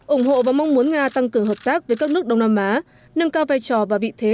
ủng hộ và mong muốn nga tăng cường hợp tác với các nước đông nam á nâng cao vai trò và vị thế